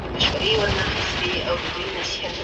د ملت يووالی د ټولنې د ثبات لپاره مهم دی.